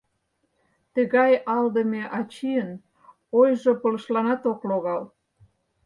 Тыгай алдыме ачийын ойжо пылышланат ок логал!